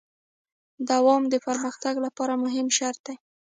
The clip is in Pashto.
دوام د پرمختګ لپاره مهم شرط دی.